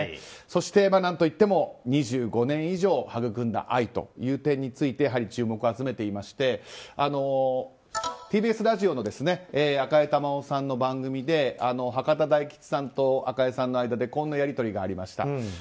そして、何といっても２５年以上育んだ愛という点について注目を集めていましてＴＢＳラジオの赤江珠緒さんの番組で博多大吉さんと赤江さんの間でこんなやり取りがありました。